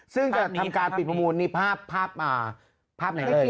ซึ่งจะทำการปิดประมูลนี่ภาพไหนเลย